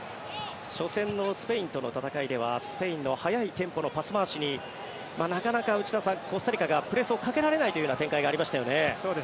初戦のスペインとの戦いではスペインの速いテンポのパス回しになかなか内田さん、コスタリカがプレスをかけられないというような展開がありましたよね。